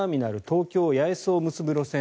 東京八重洲を結ぶ路線